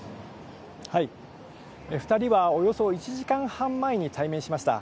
２人はおよそ１時間半前に対面しました。